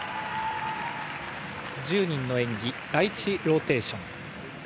１０人の演技、第１ローテーション。